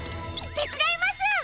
てつだいます！